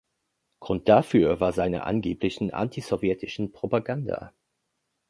Grund dafür war seine angeblichen „antisowjetischen“ Propaganda.